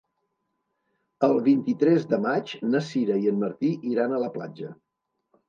El vint-i-tres de maig na Sira i en Martí iran a la platja.